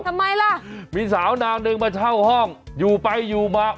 ทำไมล่ะมีสาวนางหนึ่งมาเช่าห้องอยู่ไปอยู่มา